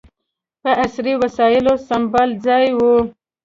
په عصري وسایلو سمبال ځای یې و.